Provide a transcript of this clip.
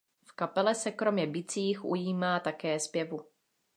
V kapele se kromě bicích ujímá také zpěvu.